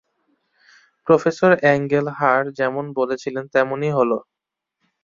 Professor Angel Hurst যেমন বলেছিলেন তেমনি হল।